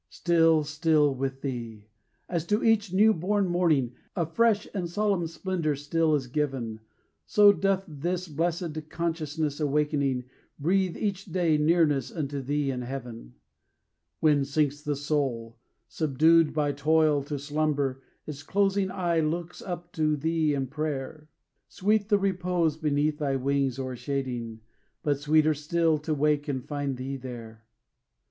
Still, still with thee! as to each new born morning A fresh and solemn splendor still is given, So doth this blessed consciousness, awaking, Breathe, each day, nearness unto thee and heaven. When sinks the soul, subdued by toil, to slumber, Its closing eye looks up to thee in prayer, Sweet the repose beneath thy wings o'ershading, But sweeter still to wake and find thee there.